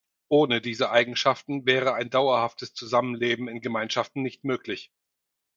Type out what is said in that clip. Ohne diese Eigenschaften wäre ein dauerhaftes Zusammenleben in Gemeinschaften nicht möglich.